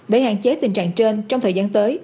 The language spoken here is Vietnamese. để hạn chế tình trạng trên trong thời gian tới